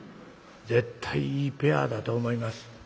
絶対いいペアだと思います。